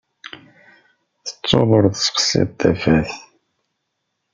Tettuḍ ur tessexsiḍ tafat.